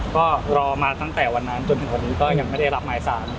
ก็รอมาตั้งแต่วันนั้นจนถึงวันนี้ก็ยังไม่ได้รับหมายสาร